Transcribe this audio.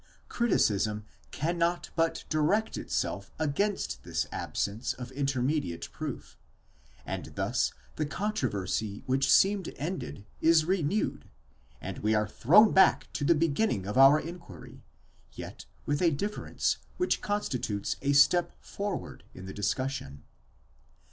Criticism cannot but direct itself against this absence of intermediate proof, and thus the controversy which seemed ended is re newed, and we are thrown back to the beginning of our inquiry; yet witha difference which constitutes a step forward in the discussion.